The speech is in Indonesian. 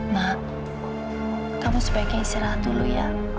mak kamu sebaiknya istirahat dulu ya